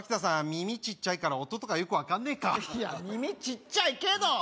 耳ちっちゃいから音とかよく分かんねえかいや耳ちっちゃいけど！